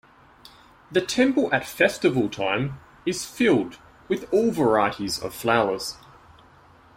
The temple at festival time is filled with all varieties of flowers.